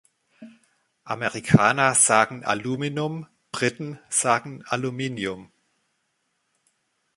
Amerikaner sagen „aluminum“, Britten sagen „aluminium“